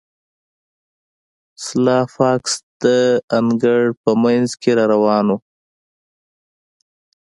سلای فاکس د انګړ په مینځ کې را روان و